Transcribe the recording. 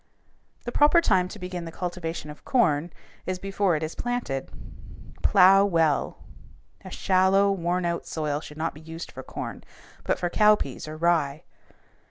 The proper time to begin the cultivation of corn is before it is planted. Plow well. A shallow, worn out soil should not be used for corn, but for cowpeas or rye.